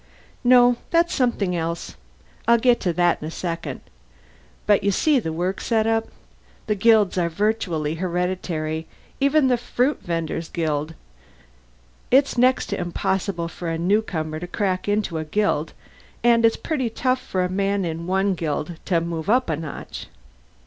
"No, that's something else. I'll get to that in a second. But you see the work setup? The guilds are virtually hereditary, even the fruit venders' guild. It's next to impossible for a newcomer to crack into a guild and it's pretty tough for a man in one guild to move up a notch.